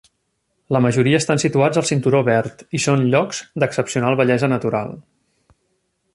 La majoria estan situats al cinturó verd i són "llocs d'excepcional bellesa natural".